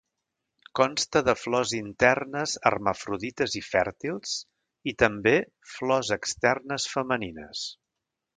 Consta de flors internes hermafrodites i fèrtils, i també flors externes femenines.